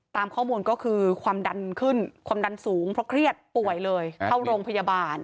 ตามข้อมูลก็คือความดันขึ้นความดันสูงเพราะเครียดป่วยเลยเข้าโรงพยาบาล